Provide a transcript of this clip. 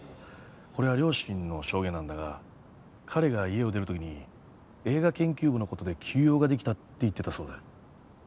これは両親の証言なんだが彼が家を出る時に「映画研究部のことで急用ができた」って言ってたそうだ。